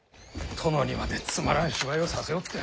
殿にまでつまらん芝居をさせおって。